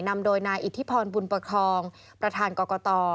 นำโดยนายอิทธิพรบุญประคองประธานกรกต